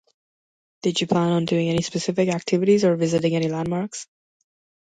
Did you plan on doing any specific activities or visiting any landmarks?